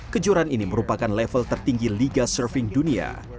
kejuaraan ini merupakan level tertinggi liga surfing dunia